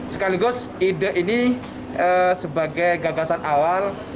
sekaligus ide ini sebagai gagasan awal